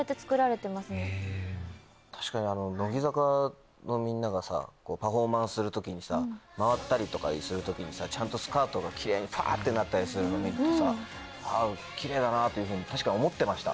確かに乃木坂のみんながさパフォーマンスする時にさ回ったりとかする時にちゃんとスカートがキレイにパってなったりするの見るとキレイだなっていうふうに確かに思ってました。